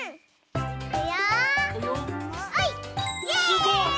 すごい！